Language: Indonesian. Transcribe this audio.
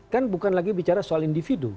kan bukan lagi bicara soal individu